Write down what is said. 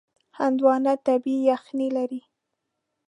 هندوانه طبیعي یخنۍ لري.